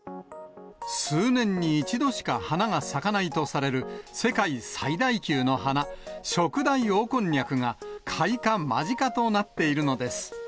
数年に一度しか花が咲かないとされる世界最大級の花、ショクダイオオコンニャクが開花間近となっているのです。